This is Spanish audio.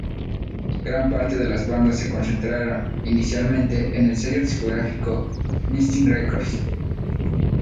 Gran parte de las bandas se concentraron, inicialmente, en el sello discográfico Mystic Records.